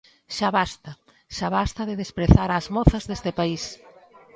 ¡Xa basta, xa basta de desprezar as mozas deste país!